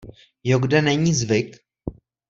Jo kde není zvyk…